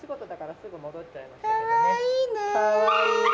かわいいね。